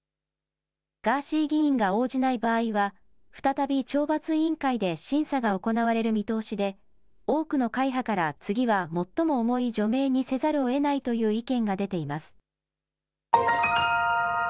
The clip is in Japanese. ガーシー議員が応じない場合は、再び懲罰委員会で審査が行われる見通しで、多くの会派から次は最も重い除名にせざるをえないという意見が出ています。